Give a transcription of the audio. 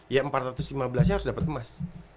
ya empat ratus lima belas harus dapet emas